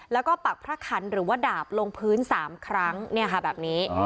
แล้วก็ปักพระขันหรือว่าดาบลงพื้น๓ครั้งแบบนี้